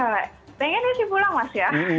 eee pengennya sih pulang mas ya